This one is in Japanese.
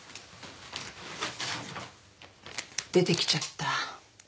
出てきちゃった。